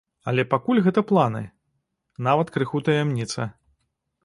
Але пакуль гэта планы, нават крыху таямніца.